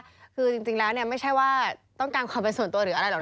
คือจริงแล้วเนี่ยไม่ใช่ว่าต้องการความเป็นส่วนตัวหรืออะไรหรอก